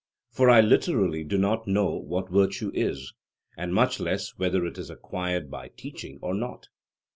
For I literally do not know what virtue is, and much less whether it is acquired by teaching or not.'